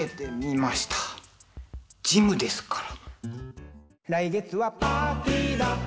ジムですから。